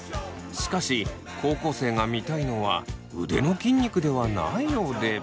しかし高校生が見たいのは腕の筋肉ではないようで。